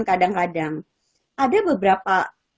kadang kadang ada beberapa